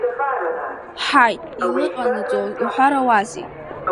Ҳаи, илыҟанаҵоз уҳәарауазеи?!